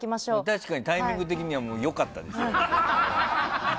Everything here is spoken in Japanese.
確かにタイミング的には良かったですよ。